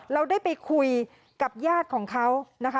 เราได้ไปคุยกับญาติของเขานะคะ